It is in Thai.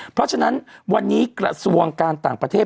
เพราะฉะนั้นวันนี้กระทรวงการต่างประเทศ